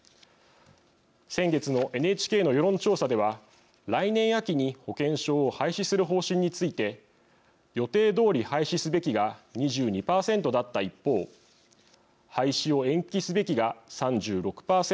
先月のＮＨＫの世論調査では来年秋に保険証を廃止する方針について予定どおり廃止すべきが２２％だった一方廃止を延期すべきが３６％